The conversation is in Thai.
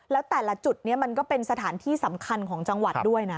แล้วแต่ละจุดนี้มันก็เป็นสถานที่สำคัญของจังหวัดด้วยนะ